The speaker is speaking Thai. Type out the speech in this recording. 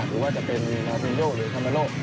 หรือว่าจะเป็นนารินโดหรือธรรมโลก